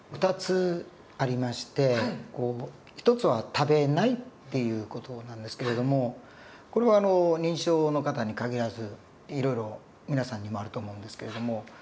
２つありまして一つは食べないっていう事なんですけれどもこれは認知症の方に限らずいろいろ皆さんにもあると思うんですけれども。